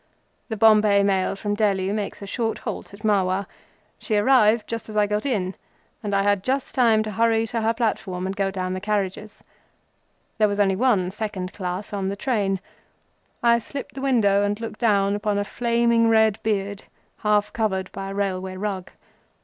The Bombay Mail from Delhi makes a short halt at Marwar. She arrived as I got in, and I had just time to hurry to her platform and go down the carriages. There was only one second class on the train. I slipped the window and looked down upon a flaming red beard, half covered by a railway rug.